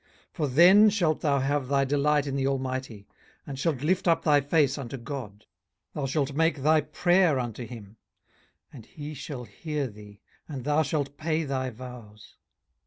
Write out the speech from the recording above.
18:022:026 For then shalt thou have thy delight in the Almighty, and shalt lift up thy face unto God. 18:022:027 Thou shalt make thy prayer unto him, and he shall hear thee, and thou shalt pay thy vows.